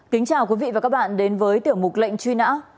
kính chào quý vị và các bạn đến với tiểu mục lệnh truy nã